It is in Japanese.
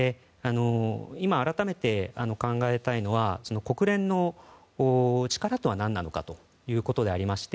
今、改めて考えたいのは国連の力とは何なのかということでありまして